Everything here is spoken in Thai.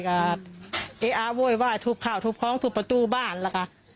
เป๋อบอกว่าถูกขอถูกประตูบ้านหละ